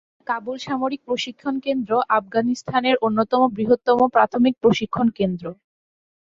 কাবুল সামরিক প্রশিক্ষণ কেন্দ্র আফগানিস্তানের অন্যতম বৃহত্তম প্রাথমিক প্রশিক্ষণ কেন্দ্র।